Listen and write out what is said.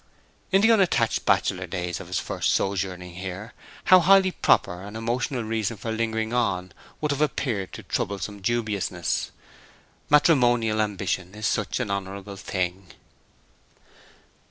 In the unattached bachelor days of his first sojourning here how highly proper an emotional reason for lingering on would have appeared to troublesome dubiousness. Matrimonial ambition is such an honorable thing.